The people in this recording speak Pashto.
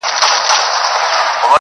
توره تیاره ده دروازه یې ده چینجو خوړلې!.